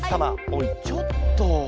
おいちょっと。